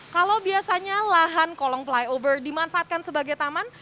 kalau biasanya lahan kolong flyover dimanfaatkan sebagai taman